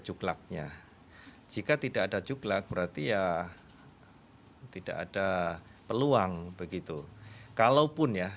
cuklaknya jika tidak ada cuklak berarti ya tidak ada peluang begitu kalaupun ya